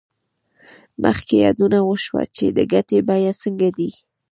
مخکې یادونه وشوه چې د ګټې بیه څنګه ده